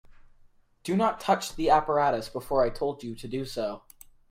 Do not touch the apparatus before I told you to do so.